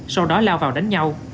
sau đó lao vào đánh nhau